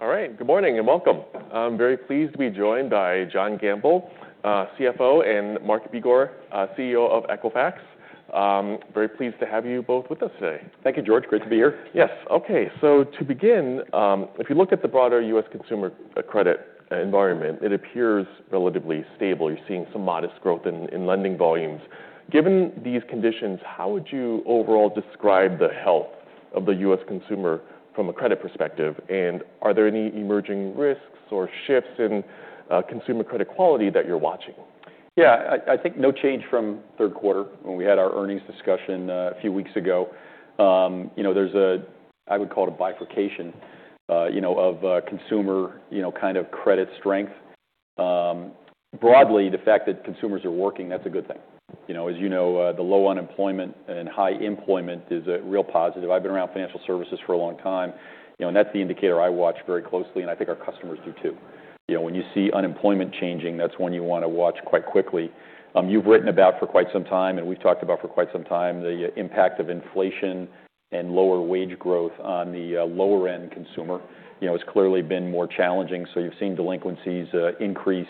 All right. Good morning and welcome. I'm very pleased to be joined by John Gamble, CFO, and Mark Begor, CEO of Equifax. Very pleased to have you both with us today. Thank you, George. Great to be here. Yes. Okay. So to begin, if you look at the broader U.S. consumer credit environment, it appears relatively stable. You're seeing some modest growth in lending volumes. Given these conditions, how would you overall describe the health of the U.S. consumer from a credit perspective? And are there any emerging risks or shifts in consumer credit quality that you're watching? Yeah. I think no change from third quarter. When we had our earnings discussion a few weeks ago, there's a, I would call it a bifurcation of consumer kind of credit strength. Broadly, the fact that consumers are working, that's a good thing. As you know, the low unemployment and high employment is a real positive. I've been around financial services for a long time, and that's the indicator I watch very closely, and I think our customers do too. When you see unemployment changing, that's when you want to watch quite quickly. You've written about for quite some time, and we've talked about for quite some time, the impact of inflation and lower wage growth on the lower-end consumer. It's clearly been more challenging. So you've seen delinquencies increase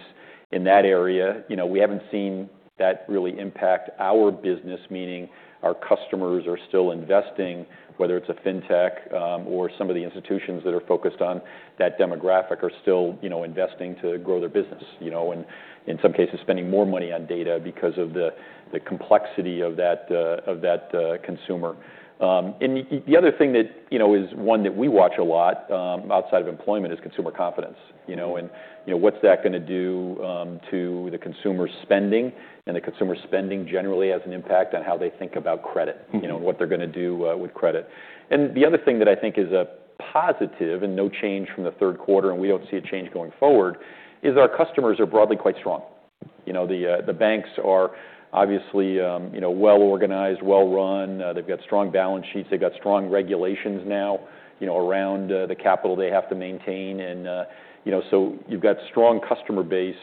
in that area. We haven't seen that really impact our business, meaning our customers are still investing, whether it's a fintech or some of the institutions that are focused on that demographic are still investing to grow their business, and in some cases, spending more money on data because of the complexity of that consumer. And the other thing that is one that we watch a lot outside of employment is consumer confidence. And what's that going to do to the consumer spending? And the consumer spending generally has an impact on how they think about credit and what they're going to do with credit. And the other thing that I think is a positive and no change from the third quarter, and we don't see a change going forward, is our customers are broadly quite strong. The banks are obviously well-organized, well-run. They've got strong balance sheets. They've got strong regulations now around the capital they have to maintain, and so you've got a strong customer base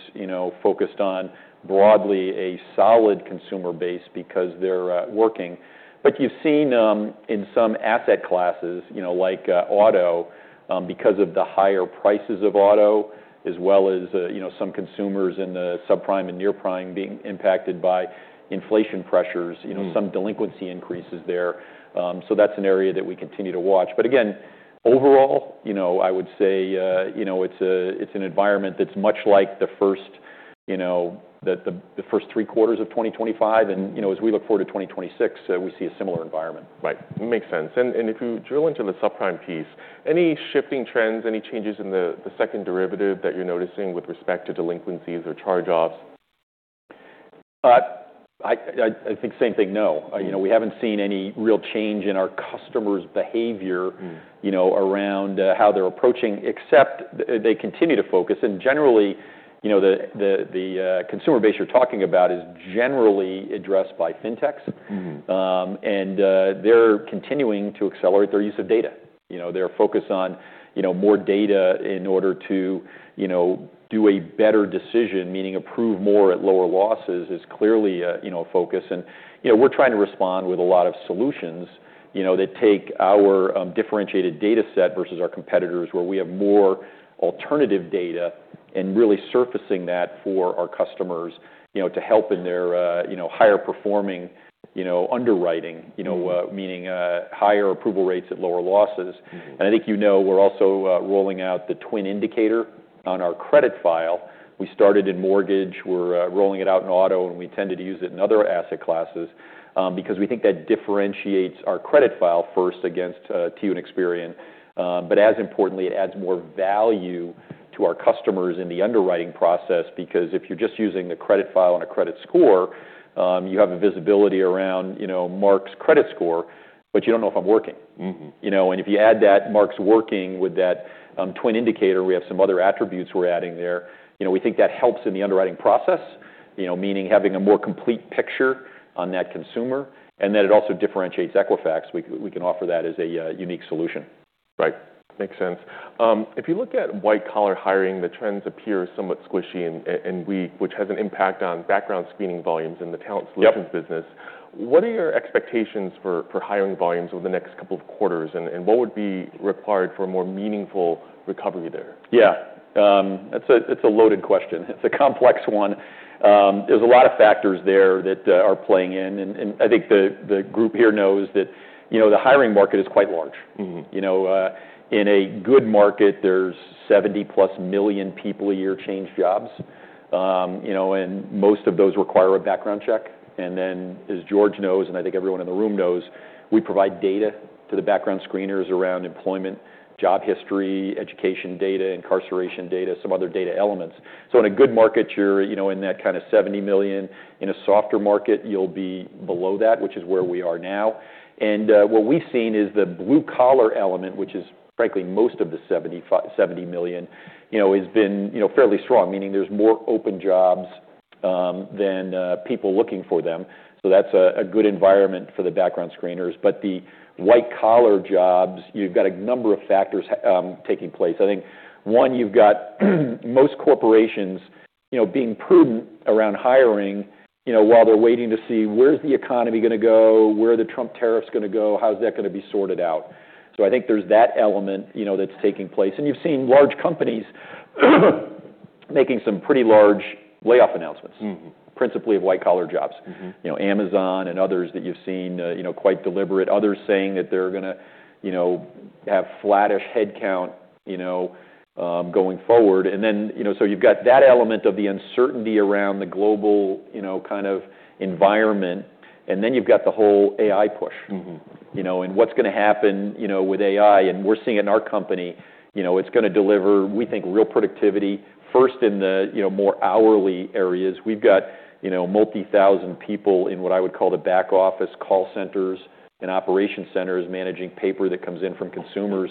focused on broadly a solid consumer base because they're working, but you've seen in some asset classes like auto, because of the higher prices of auto, as well as some consumers in the subprime and near-prime being impacted by inflation pressures, some delinquency increases there, so that's an area that we continue to watch, but again, overall, I would say it's an environment that's much like the first three quarters of 2025, and as we look forward to 2026, we see a similar environment. Right. Makes sense. And if you drill into the subprime piece, any shifting trends, any changes in the second derivative that you're noticing with respect to delinquencies or charge-offs? I think same thing, no. We haven't seen any real change in our customers' behavior around how they're approaching, except they continue to focus. And generally, the consumer base you're talking about is generally addressed by fintechs. And they're continuing to accelerate their use of data. Their focus on more data in order to do a better decision, meaning approve more at lower losses, is clearly a focus. And we're trying to respond with a lot of solutions that take our differentiated data set versus our competitors where we have more alternative data and really surfacing that for our customers to help in their higher-performing underwriting, meaning higher approval rates at lower losses. And I think you know we're also rolling out the TWN indicator on our credit file. We started in mortgage. We're rolling it out in auto, and we tended to use it in other asset classes because we think that differentiates our credit file first against TU and Experian. But as importantly, it adds more value to our customers in the underwriting process because if you're just using the credit file and a credit score, you have a visibility around Mark's credit score, but you don't know if I'm working. And if you add that Mark's working with that TWN indicator, we have some other attributes we're adding there. We think that helps in the underwriting process, meaning having a more complete picture on that consumer. And then it also differentiates Equifax. We can offer that as a unique solution. Right. Makes sense. If you look at white-collar hiring, the trends appear somewhat squishy and weak, which has an impact on background screening volumes in the talent solutions business. What are your expectations for hiring volumes over the next couple of quarters, and what would be required for a more meaningful recovery there? Yeah. It's a loaded question. It's a complex one. There's a lot of factors there that are playing in. And I think the group here knows that the hiring market is quite large. In a good market, there's 70+ million people a year change jobs. And most of those require a background check. And then, as George knows, and I think everyone in the room knows, we provide data to the background screeners around employment, job history, education data, incarceration data, some other data elements. So in a good market, you're in that kind of 70 million. In a softer market, you'll be below that, which is where we are now. And what we've seen is the blue-collar element, which is frankly most of the 70 million, has been fairly strong, meaning there's more open jobs than people looking for them. So that's a good environment for the background screeners. But the white-collar jobs, you've got a number of factors taking place. I think, one, you've got most corporations being prudent around hiring while they're waiting to see where's the economy going to go, where are the Trump tariffs going to go, how's that going to be sorted out. So I think there's that element that's taking place. And you've seen large companies making some pretty large layoff announcements, principally of white-collar jobs. Amazon and others that you've seen quite deliberate, others saying that they're going to have flattish headcount going forward. And then so you've got that element of the uncertainty around the global kind of environment. And then you've got the whole AI push and what's going to happen with AI. And we're seeing in our company, it's going to deliver, we think, real productivity, first in the more hourly areas. We've got multi-thousand people in what I would call the back office call centers and operation centers managing paper that comes in from consumers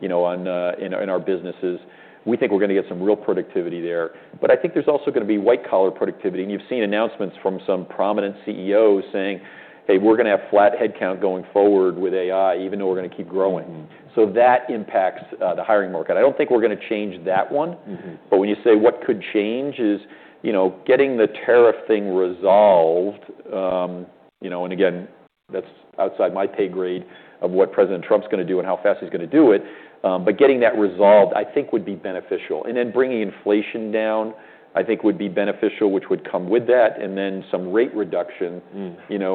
in our businesses. We think we're going to get some real productivity there. But I think there's also going to be white-collar productivity. And you've seen announcements from some prominent CEOs saying, "Hey, we're going to have flat headcount going forward with AI, even though we're going to keep growing." So that impacts the hiring market. I don't think we're going to change that one. But when you say what could change is getting the tariff thing resolved. And again, that's outside my pay grade of what President Trump's going to do and how fast he's going to do it. But getting that resolved, I think, would be beneficial. And then bringing inflation down, I think, would be beneficial, which would come with that. And then some rate reduction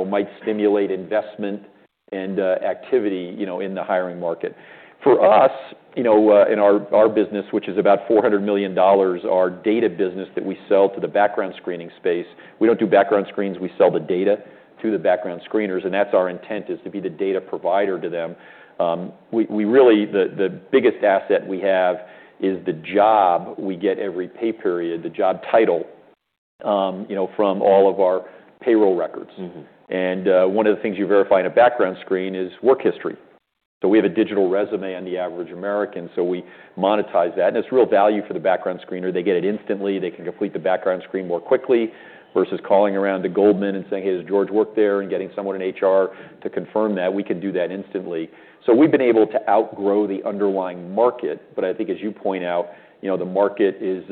might stimulate investment and activity in the hiring market. For us, in our business, which is about $400 million, our data business that we sell to the background screening space, we don't do background screens. We sell the data to the background screeners. And that's our intent, is to be the data provider to them. Really, the biggest asset we have is the job we get every pay period, the job title from all of our payroll records. And one of the things you verify in a background screen is work history. So we have a digital resume on the average American. So we monetize that. And it's real value for the background screener. They get it instantly. They can complete the background screen more quickly versus calling around to Goldman and saying, "Hey, does George work there?" and getting someone in HR to confirm that. We can do that instantly. So we've been able to outgrow the underlying market. But I think, as you point out, the market is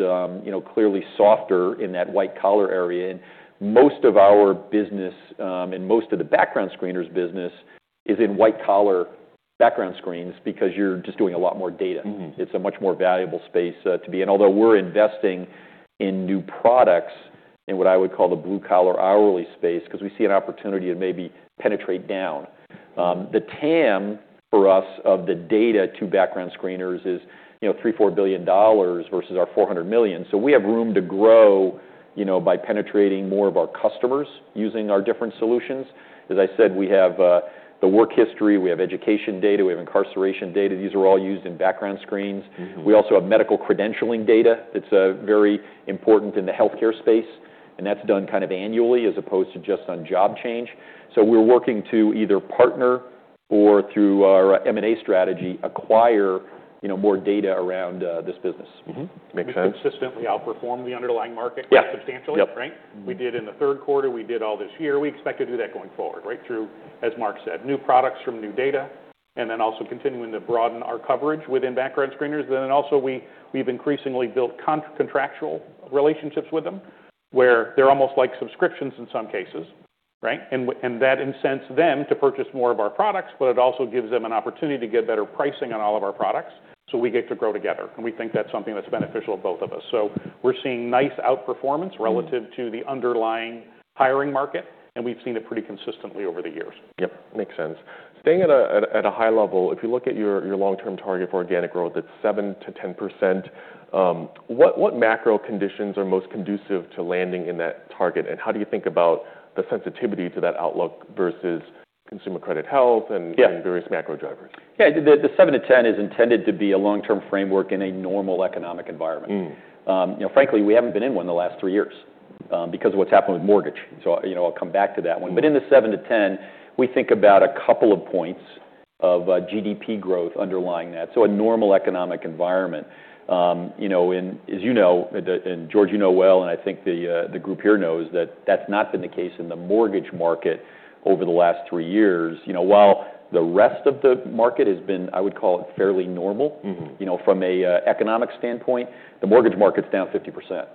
clearly softer in that white-collar area. And most of our business and most of the background screeners' business is in white-collar background screens because you're just doing a lot more data. It's a much more valuable space to be in. Although we're investing in new products in what I would call the blue-collar hourly space because we see an opportunity to maybe penetrate down. The TAM for us of the data to background screeners is $3 billion-$4 billion versus our $400 million. So we have room to grow by penetrating more of our customers using our different solutions. As I said, we have the work history. We have education data. We have incarceration data. These are all used in background screens. We also have medical credentialing data that's very important in the healthcare space and that's done kind of annually as opposed to just on job change so we're working to either partner or, through our M&A strategy, acquire more data around this business. Makes sense. Consistently outperform the underlying market quite substantially, right? We did in the third quarter. We did all this year. We expect to do that going forward, right, through, as Mark said, new products from new data and then also continuing to broaden our coverage within background screeners. And then also, we've increasingly built contractual relationships with them where they're almost like subscriptions in some cases, right? And that incents them to purchase more of our products, but it also gives them an opportunity to get better pricing on all of our products. So we get to grow together. And we think that's something that's beneficial to both of us. So we're seeing nice outperformance relative to the underlying hiring market. And we've seen it pretty consistently over the years. Yep. Makes sense. Staying at a high level, if you look at your long-term target for organic growth, it's 7%-10%. What macro conditions are most conducive to landing in that target? And how do you think about the sensitivity to that outlook versus consumer credit health and various macro drivers? Yeah. The 7%-10% is intended to be a long-term framework in a normal economic environment. Frankly, we haven't been in one in the last three years because of what's happened with mortgage. So I'll come back to that one. But in the 7%-10%, we think about a couple of points of GDP growth underlying that. So a normal economic environment. As you know, and George, you know well, and I think the group here knows that that's not been the case in the mortgage market over the last three years. While the rest of the market has been, I would call it, fairly normal from an economic standpoint, the mortgage market's down 50%,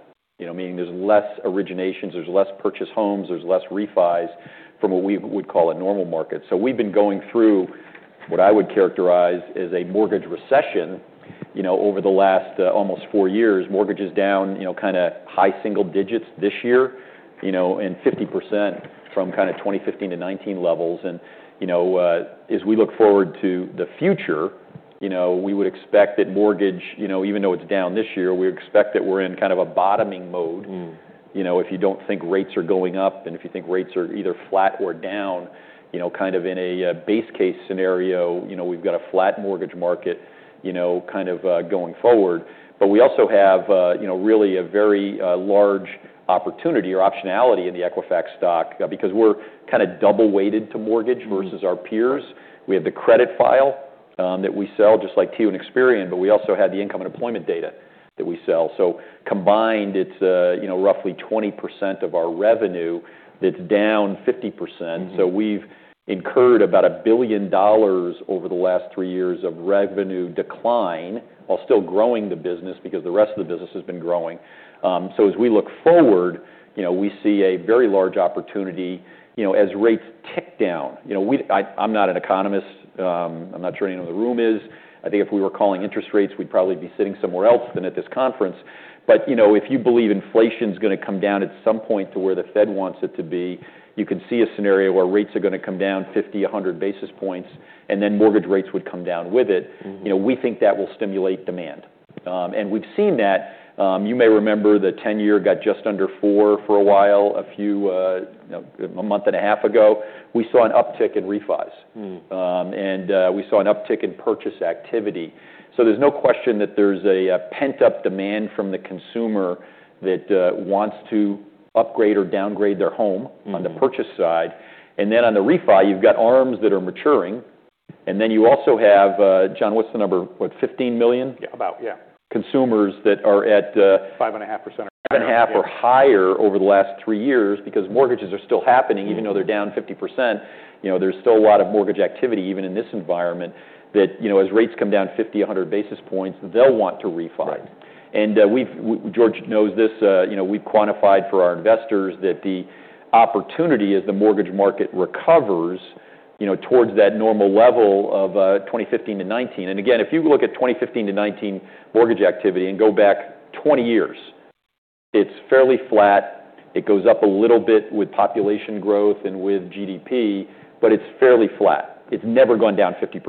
meaning there's less originations. There's less purchase homes. There's less refis from what we would call a normal market. So we've been going through what I would characterize as a mortgage recession over the last almost four years. Mortgages down kind of high single digits this year and 50% from kind of 2015-2019 levels. And as we look forward to the future, we would expect that mortgage, even though it's down this year, we expect that we're in kind of a bottoming mode. If you don't think rates are going up and if you think rates are either flat or down, kind of in a base case scenario, we've got a flat mortgage market kind of going forward. But we also have really a very large opportunity or optionality in the Equifax stock because we're kind of double-weighted to mortgage versus our peers. We have the credit file that we sell, just like TU and Experian, but we also have the income and employment data that we sell. So combined, it's roughly 20% of our revenue that's down 50%. So we've incurred about $1 billion over the last three years of revenue decline while still growing the business because the rest of the business has been growing. So as we look forward, we see a very large opportunity as rates tick down. I'm not an economist. I'm not sure anyone in the room is. I think if we were calling interest rates, we'd probably be sitting somewhere else than at this conference. But if you believe inflation's going to come down at some point to where the Fed wants it to be, you can see a scenario where rates are going to come down 50 basis points, 100 basis points, and then mortgage rates would come down with it. We think that will stimulate demand. And we've seen that. You may remember the 10-year got just under 4% for a while a month and a half ago. We saw an uptick in refis. And we saw an uptick in purchase activity. So there's no question that there's a pent-up demand from the consumer that wants to upgrade or downgrade their home on the purchase side. And then on the refi, you've got ARMs that are maturing. And then you also have, John, what's the number? What, $15 million? Yeah. About, yeah. Consumers that are at. 5.5%. 5.5% or higher over the last three years because mortgages are still happening, even though they're down 50%. There's still a lot of mortgage activity, even in this environment, that as rates come down 50 basis points, 100 basis points, they'll want to refi. And George knows this. We've quantified for our investors that the opportunity as the mortgage market recovers towards that normal level of 2015-2019. And again, if you look at 2015-2019 mortgage activity and go back 20 years, it's fairly flat. It goes up a little bit with population growth and with GDP, but it's fairly flat. It's never gone down 50%.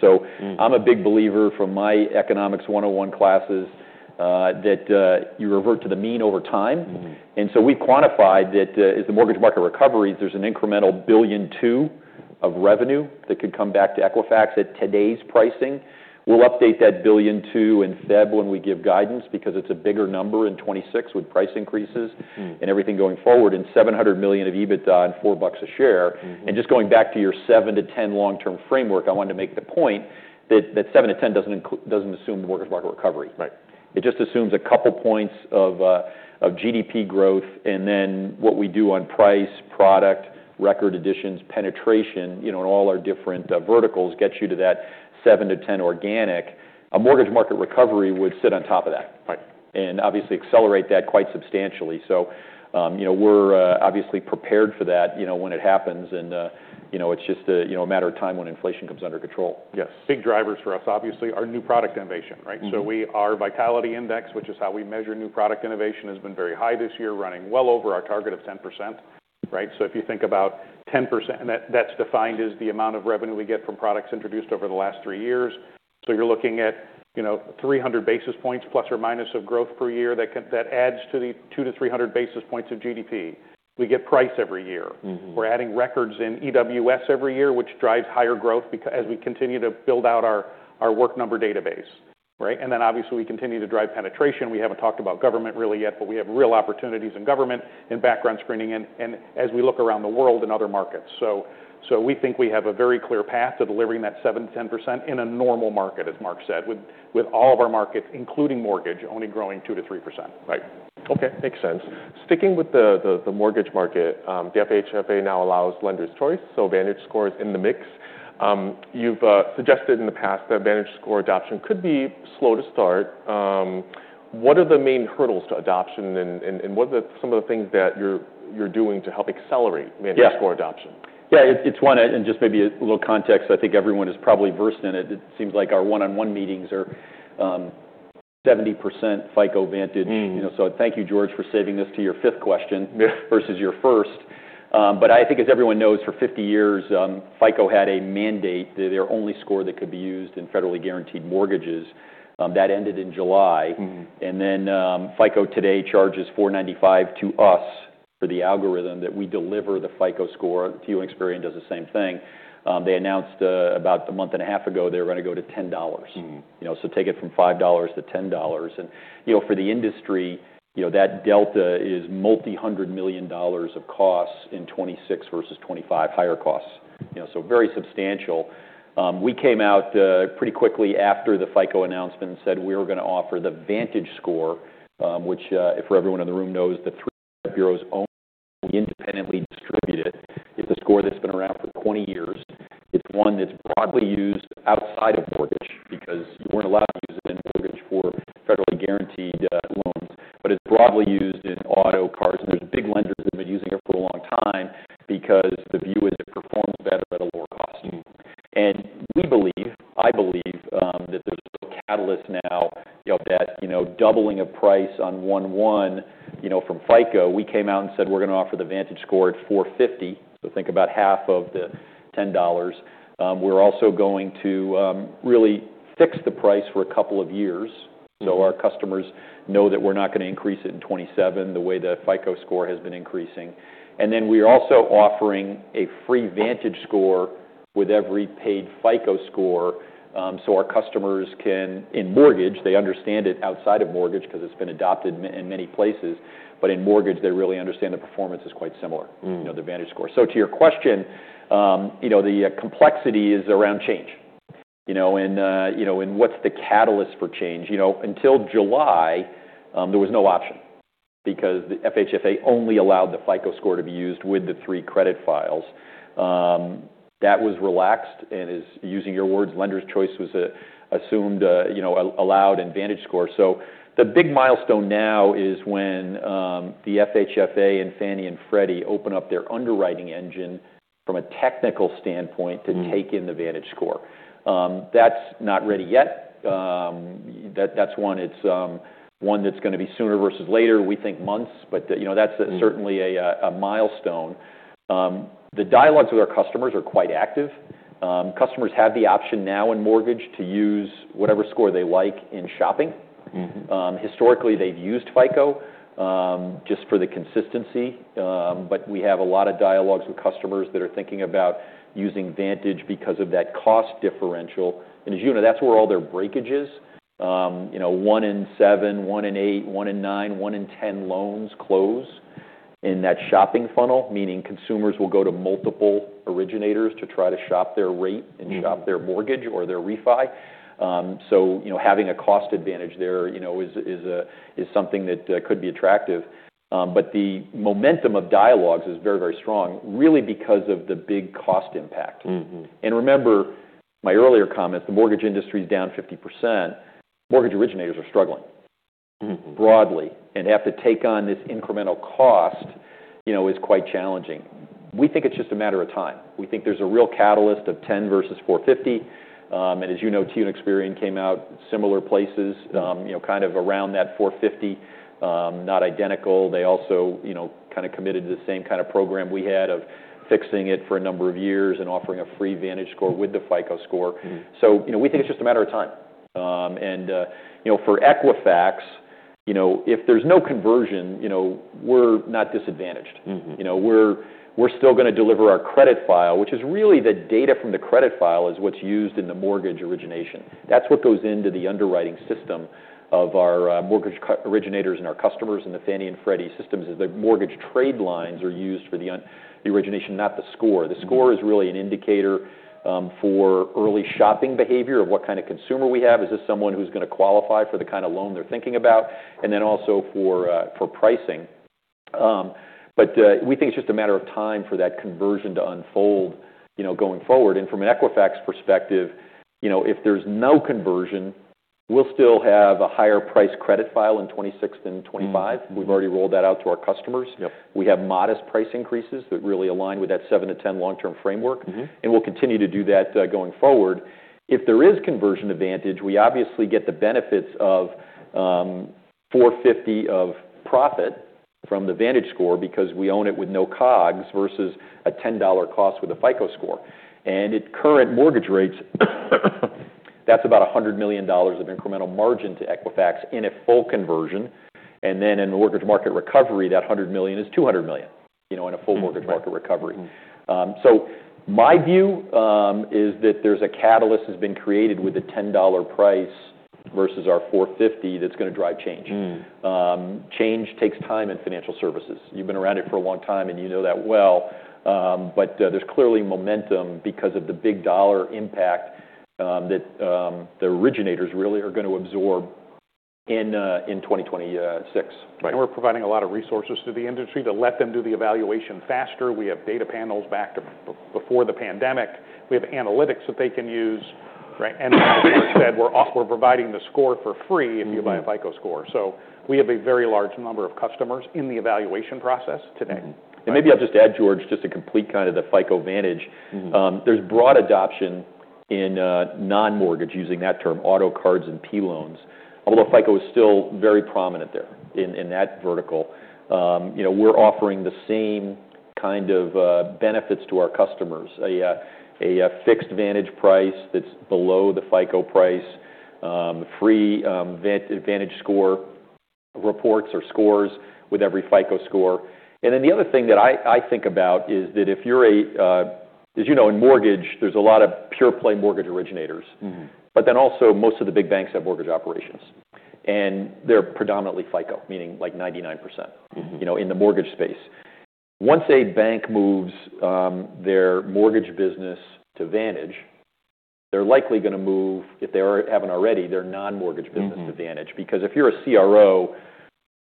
So I'm a big believer from my economics 101 classes that you revert to the mean over time. And so we've quantified that as the mortgage market recovers, there's an incremental $1.2 billion of revenue that could come back to Equifax at today's pricing. We'll update that $1.2 billion in February when we give guidance because it's a bigger number in 2026 with price increases and everything going forward and $700 million of EBITDA and $4 a share. And just going back to your 7%-10% long-term framework, I wanted to make the point that 7%-10% doesn't assume the mortgage market recovery. It just assumes a couple points of GDP growth. And then what we do on price, product, record additions, penetration, and all our different verticals gets you to that 7%-10% organic. A mortgage market recovery would sit on top of that and obviously accelerate that quite substantially. So we're obviously prepared for that when it happens. It's just a matter of time when inflation comes under control. Yes. Big drivers for us, obviously, are new product innovation, right? So our Vitality Index, which is how we measure new product innovation, has been very high this year, running well over our target of 10%, right? So if you think about 10%, that's defined as the amount of revenue we get from products introduced over the last three years. So you're looking at 300 basis points plus or minus of growth per year that adds to the 200 basis points 300 basis points of GDP. We get price every year. We're adding records in EWS every year, which drives higher growth as we continue to build out our Work Number database, right? And then obviously, we continue to drive penetration. We haven't talked about government really yet, but we have real opportunities in government, in background screening, and as we look around the world in other markets. We think we have a very clear path to delivering that 7%-10% in a normal market, as Mark said, with all of our markets, including mortgage, only growing 2%-3%. Right. Okay. Makes sense. Sticking with the mortgage market, the FHFA now allows lenders' choice. So VantageScore is in the mix. You've suggested in the past that VantageScore adoption could be slow to start. What are the main hurdles to adoption and what are some of the things that you're doing to help accelerate VantageScore adoption? Yeah. It's one and just maybe a little context. I think everyone is probably versed in it. It seems like our one-on-one meetings are 70% FICO Vantage. So thank you, George, for saving this to your fifth question versus your first. But I think, as everyone knows, for 50 years, FICO had a mandate that their only score that could be used in federally guaranteed mortgages. That ended in July. And then FICO today charges $4.95 to us for the algorithm that we deliver the FICO Score. TU and Experian does the same thing. They announced about a month and a half ago they were going to go to $10. So take it from $5 to $10. And for the industry, that delta is multi-hundred million dollars of costs in 2026 versus 2025, higher costs. So very substantial. We came out pretty quickly after the FICO announcement and said we were going to offer the VantageScore, which, if everyone in the room knows, the three bureaus own and independently distribute it. It's a score that's been around for 20 years. It's one that's broadly used outside of mortgage because you weren't allowed to use it in mortgage for federally guaranteed loans, but it's broadly used in auto, cars, and there's big lenders that have been using it for a long time because the view is it performs better at a lower cost. I believe that there's a catalyst now that doubling of price on 01/01 from FICO. We came out and said we're going to offer the VantageScore at $4.50. Think about half of the $10. We're also going to really fix the price for a couple of years so our customers know that we're not going to increase it in 2027 the way the FICO Score has been increasing. And then we are also offering a free VantageScore with every paid FICO Score so our customers can, in mortgage, they understand it outside of mortgage because it's been adopted in many places. But in mortgage, they really understand the performance is quite similar, the VantageScore. So to your question, the complexity is around change. And what's the catalyst for change? Until July, there was no option because the FHFA only allowed the FICO Score to be used with the three credit files. That was relaxed. And using your words, lenders' choice was assumed allowed in VantageScore. So the big milestone now is when the FHFA and Fannie and Freddie open up their underwriting engine from a technical standpoint to take in the VantageScore. That's not ready yet. That's one. It's one that's going to be sooner versus later. We think months, but that's certainly a milestone. The dialogues with our customers are quite active. Customers have the option now in mortgage to use whatever score they like in shopping. Historically, they've used FICO just for the consistency. But we have a lot of dialogues with customers that are thinking about using Vantage because of that cost differential. And as you know, that's where all their breakage is. One in seven, one in eight, one in nine, one in ten loans close in that shopping funnel, meaning consumers will go to multiple originators to try to shop their rate and shop their mortgage or their refi. So having a cost advantage there is something that could be attractive. But the momentum of dialogues is very, very strong, really because of the big cost impact. And remember my earlier comments, the mortgage industry is down 50%. Mortgage originators are struggling broadly. And to have to take on this incremental cost is quite challenging. We think it's just a matter of time. We think there's a real catalyst of $10 versus $4.50. And as you know, TU and Experian came out similar places, kind of around that $4.50, not identical. They also kind of committed to the same kind of program we had of fixing it for a number of years and offering a free VantageScore with the FICO Score. So we think it's just a matter of time. And for Equifax, if there's no conversion, we're not disadvantaged. We're still going to deliver our credit file, which is really the data from the credit file is what's used in the mortgage origination. That's what goes into the underwriting system of our mortgage originators and our customers. And the Fannie and Freddie systems is the mortgage trade lines are used for the origination, not the score. The score is really an indicator for early shopping behavior of what kind of consumer we have. Is this someone who's going to qualify for the kind of loan they're thinking about? And then also for pricing. But we think it's just a matter of time for that conversion to unfold going forward. And from an Equifax perspective, if there's no conversion, we'll still have a higher price credit file in 2026 than 2025. We've already rolled that out to our customers. We have modest price increases that really align with that 7%-10% long-term framework. And we'll continue to do that going forward. If there is conversion to Vantage, we obviously get the benefits of $4.50 of profit from the VantageScore because we own it with no COGS versus a $10 cost with a FICO Score. And at current mortgage rates, that's about $100 million of incremental margin to Equifax in a full conversion. And then in mortgage market recovery, that $100 million is $200 million in a full mortgage market recovery. So my view is that there's a catalyst that's been created with the $10 price versus our $4.50 that's going to drive change. Change takes time in financial services. You've been around it for a long time, and you know that well. But there's clearly momentum because of the big dollar impact that the originators really are going to absorb in 2026. And we're providing a lot of resources to the industry to let them do the evaluation faster. We have data panels back to before the pandemic. We have analytics that they can use. And as George said, we're providing the score for free if you buy a FICO Score. So we have a very large number of customers in the evaluation process today. And maybe I'll just add, George, just to complete kind of the FICO Vantage. There's broad adoption in non-mortgage, using that term, auto cards and P loans, although FICO is still very prominent there in that vertical. We're offering the same kind of benefits to our customers: a fixed Vantage price that's below the FICO price, free VantageScore reports or scores with every FICO Score. And then the other thing that I think about is that if you're a, as you know, in mortgage, there's a lot of pure-play mortgage originators. But then also most of the big banks have mortgage operations. And they're predominantly FICO, meaning like 99% in the mortgage space. Once a bank moves their mortgage business to Vantage, they're likely going to move, if they haven't already, their non-mortgage business to Vantage. Because if you're a CRO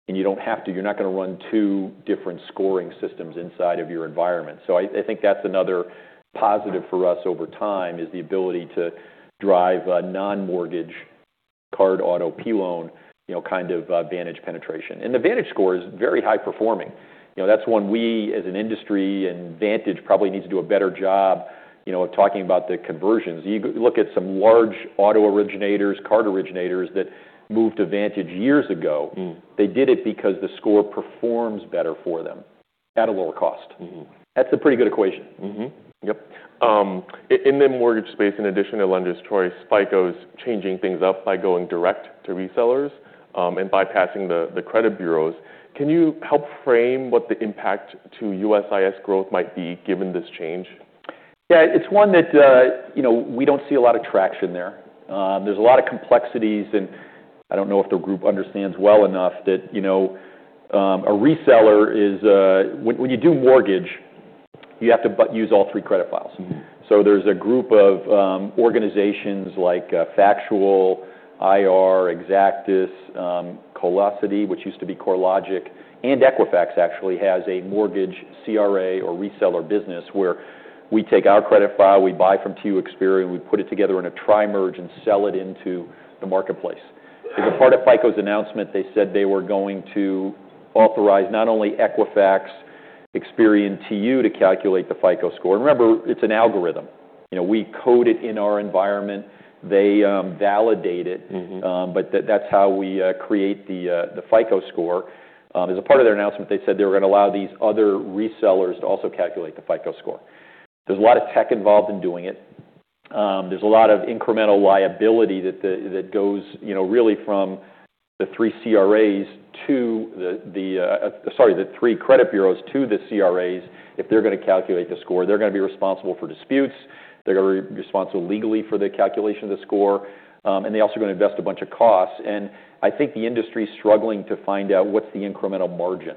and you don't have to, you're not going to run two different scoring systems inside of your environment. So I think that's another positive for us over time is the ability to drive a non-mortgage card auto P loan kind of Vantage penetration. And the VantageScore is very high performing. That's one we, as an industry, and Vantage probably needs to do a better job of talking about the conversions. You look at some large auto originators, card originators that moved to Vantage years ago. They did it because the score performs better for them at a lower cost. That's a pretty good equation. Yep. In the mortgage space, in addition to lenders' choice, FICO's changing things up by going direct to resellers and bypassing the credit bureaus. Can you help frame what the impact to USIS growth might be given this change? Yeah. It's one that we don't see a lot of traction there. There's a lot of complexities, and I don't know if the group understands well enough that a reseller is, when you do mortgage, you have to use all three credit files, so there's a group of organizations like Factual, IR, Xactus, Cotality, which used to be CoreLogic, and Equifax actually has a mortgage CRA or reseller business where we take our credit file, we buy from TU, Experian, we put it together in a tri-merge and sell it into the marketplace. As a part of FICO's announcement, they said they were going to authorize not only Equifax, Experian, TU to calculate the FICO Score, and remember, it's an algorithm. We code it in our environment. They validate it, but that's how we create the FICO Score. As a part of their announcement, they said they were going to allow these other resellers to also calculate the FICO Score. There's a lot of tech involved in doing it. There's a lot of incremental liability that goes really from the three CRAs to the, sorry, the three credit bureaus to the CRAs. If they're going to calculate the score, they're going to be responsible for disputes. They're going to be responsible legally for the calculation of the score. And they're also going to invest a bunch of costs. And I think the industry is struggling to find out what's the incremental margin.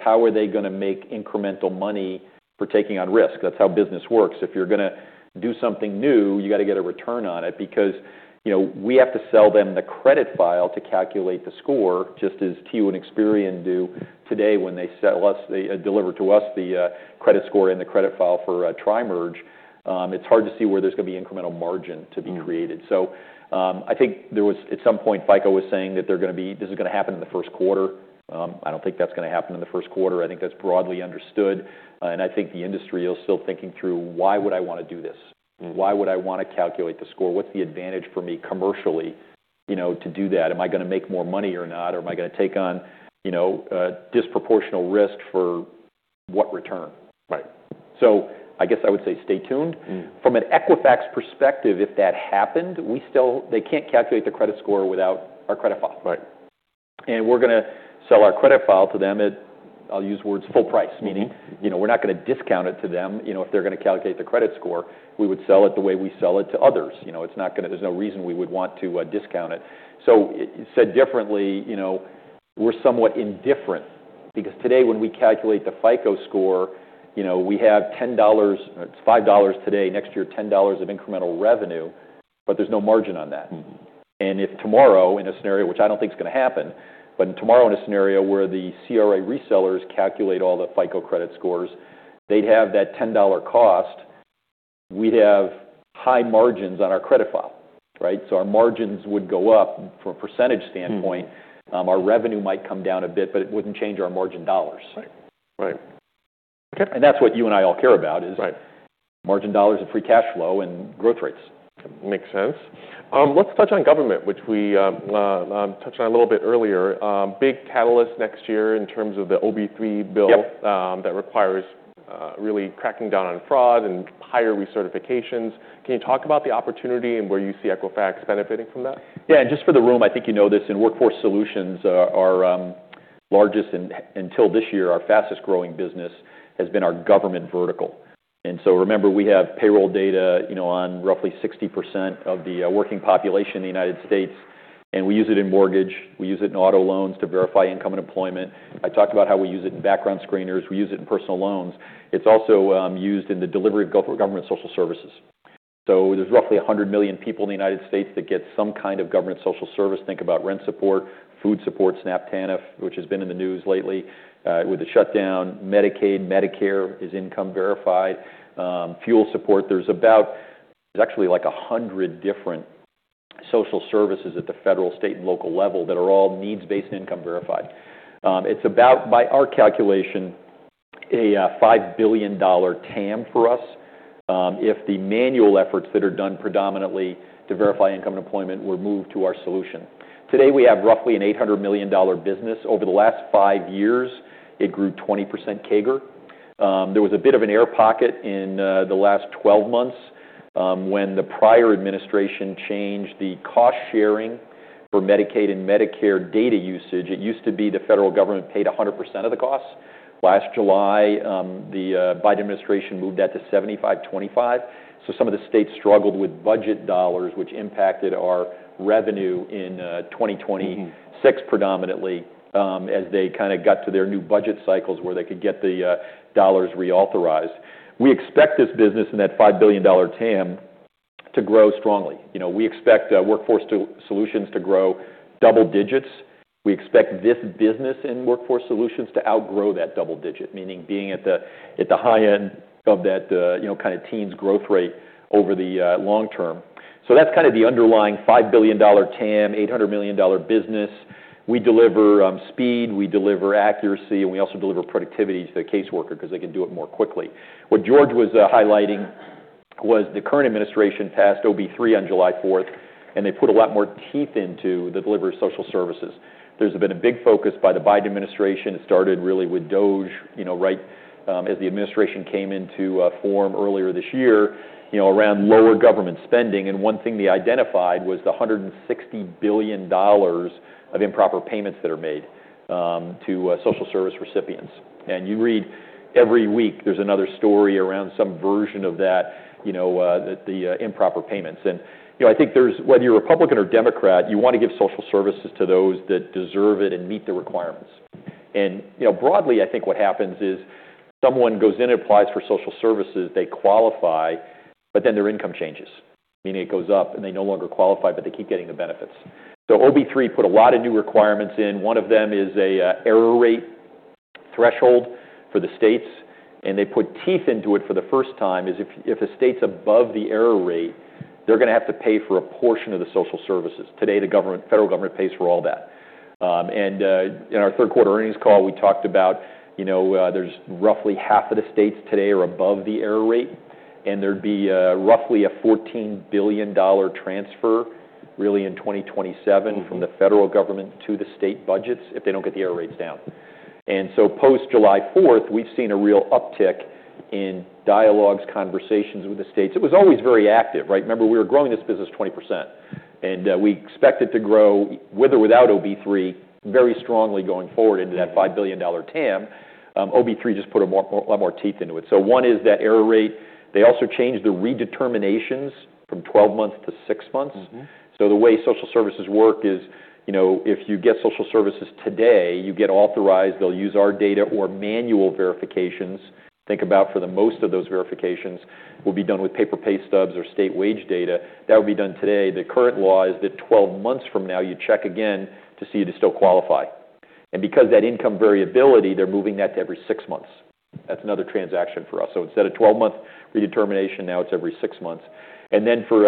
How are they going to make incremental money for taking on risk? That's how business works. If you're going to do something new, you got to get a return on it because we have to sell them the credit file to calculate the score, just as TU and Experian do today when they deliver to us the credit score and the credit file for tri-merge. It's hard to see where there's going to be incremental margin to be created. So I think there was, at some point, FICO was saying that this is going to happen in the first quarter. I don't think that's going to happen in the first quarter. I think that's broadly understood. And I think the industry is still thinking through, "Why would I want to do this? Why would I want to calculate the score? What's the advantage for me commercially to do that? Am I going to make more money or not? Or am I going to take on disproportionate risk for what return?" So I guess I would say stay tuned. From an Equifax perspective, if that happened, they can't calculate the credit score without our credit file. And we're going to sell our credit file to them at, I'll use words, full price, meaning we're not going to discount it to them. If they're going to calculate the credit score, we would sell it the way we sell it to others. There's no reason we would want to discount it. So said differently, we're somewhat indifferent because today, when we calculate the FICO Score, we have $10, it's $5 today, next year $10 of incremental revenue, but there's no margin on that. If tomorrow, in a scenario, which I don't think is going to happen, but tomorrow, in a scenario where the CRA resellers calculate all the FICO credit scores, they'd have that $10 cost. We'd have high margins on our credit file, right? So our margins would go up from a percentage standpoint. Our revenue might come down a bit, but it wouldn't change our margin dollars. Right. Right. That's what you and I all care about is margin dollars and free cash flow and growth rates. Makes sense. Let's touch on government, which we touched on a little bit earlier. Big catalyst next year in terms of the OB3 bill that requires really cracking down on fraud and higher recertifications. Can you talk about the opportunity and where you see Equifax benefiting from that? Yeah. And just for the room, I think you know this. In Workforce Solutions, our largest and until this year, our fastest growing business has been our government vertical. And so remember, we have payroll data on roughly 60% of the working population in the United States. And we use it in mortgage. We use it in auto loans to verify income and employment. I talked about how we use it in background screeners. We use it in personal loans. It's also used in the delivery of government social services. So there's roughly 100 million people in the United States that get some kind of government social service. Think about rent support, food support, SNAP, TANF, which has been in the news lately with the shutdown, Medicaid, Medicare is income verified, fuel support. There's actually like 100 different social services at the federal, state, and local level that are all needs-based and income verified. It's about, by our calculation, a $5 billion TAM for us if the manual efforts that are done predominantly to verify income and employment were moved to our solution. Today, we have roughly an $800 million business. Over the last five years, it grew 20% CAGR. There was a bit of an air pocket in the last 12 months when the prior administration changed the cost sharing for Medicaid and Medicare data usage. It used to be the federal government paid 100% of the costs. Last July, the Biden administration moved that to 75%/25%. Some of the states struggled with budget dollars, which impacted our revenue in 2026 predominantly as they kind of got to their new budget cycles where they could get the dollars reauthorized. We expect this business and that $5 billion TAM to grow strongly. We expect Workforce Solutions to grow double digits. We expect this business in Workforce Solutions to outgrow that double digit, meaning being at the high end of that kind of teens growth rate over the long term. So that's kind of the underlying $5 billion TAM, $800 million business. We deliver speed. We deliver accuracy. And we also deliver productivity to the caseworker because they can do it more quickly. What George was highlighting was the current administration passed OB3 on July 4th, and they put a lot more teeth into the delivery of social services. There's been a big focus by the Biden administration. It started really with DOGE right as the administration came into form earlier this year around lower government spending. And one thing they identified was the $160 billion of improper payments that are made to social service recipients. And you read every week there's another story around some version of that, the improper payments. And I think whether you're a Republican or Democrat, you want to give social services to those that deserve it and meet the requirements. And broadly, I think what happens is someone goes in and applies for social services, they qualify, but then their income changes, meaning it goes up and they no longer qualify, but they keep getting the benefits. So OB3 put a lot of new requirements in. One of them is an error rate threshold for the states. And they put teeth into it for the first time: if a state's above the error rate, they're going to have to pay for a portion of the social services. Today, the federal government pays for all that. And in our third quarter earnings call, we talked about there's roughly half of the states today are above the error rate. And there'd be roughly a $14 billion transfer really in 2027 from the federal government to the state budgets if they don't get the error rates down. And so post-July 4th, we've seen a real uptick in dialogues, conversations with the states. It was always very active, right? Remember, we were growing this business 20%. And we expect it to grow with or without OB3 very strongly going forward into that $5 billion TAM. OB3 just put a lot more teeth into it. So one is that error rate. They also changed the redeterminations from 12 months to six months. So the way social services work is if you get social services today, you get authorized. They'll use our data or manual verifications. Think about for the most of those verifications will be done with paper pay stubs or state wage data. That will be done today. The current law is that 12 months from now, you check again to see if you still qualify. And because of that income variability, they're moving that to every six months. That's another transaction for us. So instead of 12-month redetermination, now it's every six months. And then for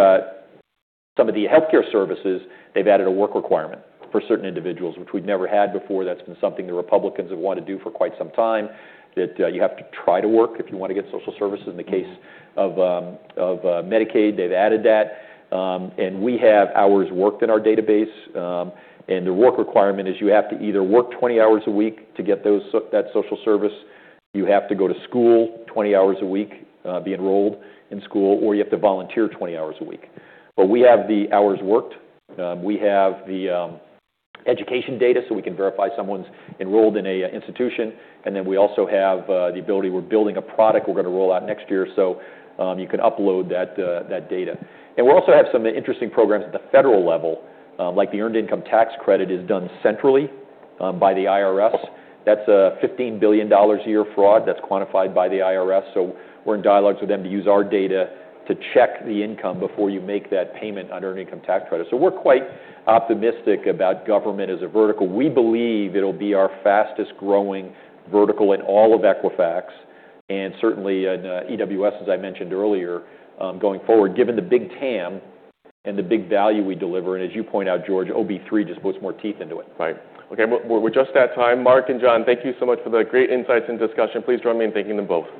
some of the healthcare services, they've added a work requirement for certain individuals, which we've never had before. That's been something the Republicans have wanted to do for quite some time that you have to try to work if you want to get social services. In the case of Medicaid, they've added that. We have hours worked in our database. The work requirement is you have to either work 20 hours a week to get that social service, you have to go to school 20 hours a week, be enrolled in school, or you have to volunteer 20 hours a week. We have the hours worked. We have the education data so we can verify someone's enrolled in an institution. We also have the ability. We're building a product we're going to roll out next year so you can upload that data. We also have some interesting programs at the federal level, like the Earned Income Tax Credit is done centrally by the IRS. That's $15 billion a year fraud that's quantified by the IRS. So we're in dialogues with them to use our data to check the income before you make that payment under an income tax credit. So we're quite optimistic about government as a vertical. We believe it'll be our fastest growing vertical in all of Equifax. And certainly in EWS, as I mentioned earlier, going forward, given the big TAM and the big value we deliver. And as you point out, George, OB3 just puts more teeth into it. Right. Okay. We're just at time. Mark and John, thank you so much for the great insights and discussion. Please join me in thanking them both.